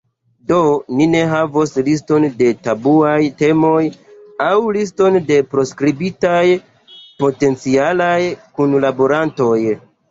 Do, ni ne havos liston de tabuaj temoj aŭ liston de proskribitaj potencialaj kunlaborantoj.